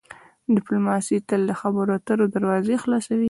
ډیپلوماسي تل د خبرو اترو دروازې خلاصوي.